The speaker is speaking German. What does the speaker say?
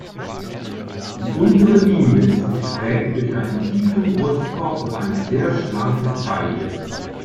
Die untere Linie ist geprägt durch einen tiefen Brustkorb und eine sehr schlanke Taille.